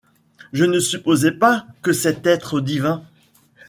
Je ne supposais pas que cet être divin